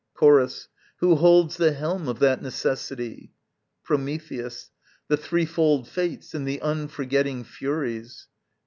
Chorus. Who holds the helm of that Necessity? Prometheus. The threefold Fates and the unforgetting Furies.